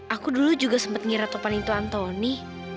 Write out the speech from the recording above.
aku dulu juga sempet ngira topan itu antoni